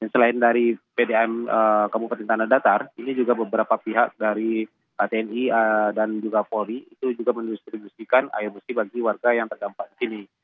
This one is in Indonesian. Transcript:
selain dari pdm kabupaten tanah datar ini juga beberapa pihak dari tni dan juga polri itu juga mendistribusikan air bersih bagi warga yang terdampak di sini